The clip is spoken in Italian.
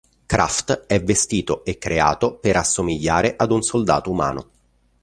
Craft è vestito e creato per assomigliare ad un soldato umano.